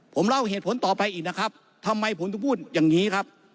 ผมเล่าเหตุผลต่อไปอีกนะครับทำไมผมถึงพูดอย่างนี้ครับ